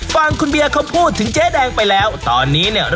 ฟังคุณเบียร์เขาพูดถึงเจ๊แดงไปแล้วตอนนี้เนี่ย